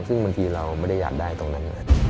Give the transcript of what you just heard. ซึ่งบางทีเราไม่ได้อยากได้ตรงนั้น